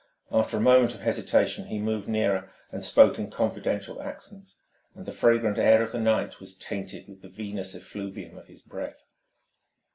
After a moment of hesitation he moved nearer and spoke in confidential accents. And the fragrant air of the night was tainted with the vinous effluvium of his breath.